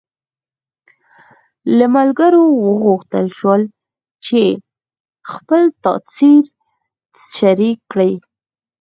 له ملګرو وغوښتل شول چې خپل تاثر شریک کړي.